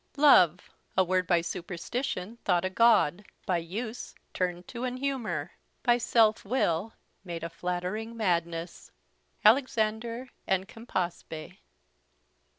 "Love! A word by superstition thought a God; by use turned to an humour; by self will made a flattering madness." _Alexander and Campaspe.